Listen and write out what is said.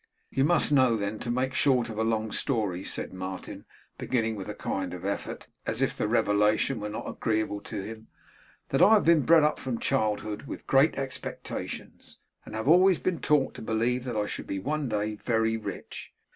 'You must know then, to make short of a long story,' said Martin, beginning with a kind of effort, as if the revelation were not agreeable to him; 'that I have been bred up from childhood with great expectations, and have always been taught to believe that I should be, one day, very rich.